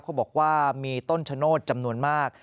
เขาบอกว่ามีต้นชะโนธจำนวนมาก